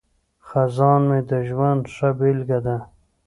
خزان مې د ژوند ښه بیلګه ده.